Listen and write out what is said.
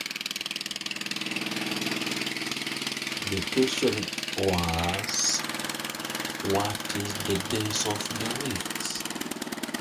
The treasury remained under rebel control for several days.